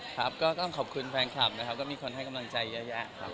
ครับก็ต้องขอบคุณแฟนคลับนะครับก็มีคนให้กำลังใจเยอะแยะครับ